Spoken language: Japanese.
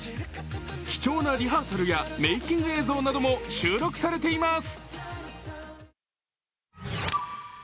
貴重なリハーサルやメーキング映像なども収録されています。